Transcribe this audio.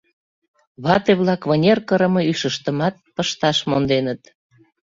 Вате-влак вынер кырыме ӱшыштымат пышташ монденыт.